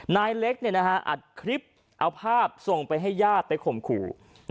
นายเล็กอัดคลิปเอาภาพส่งไปให้ญาติไปข่มขู่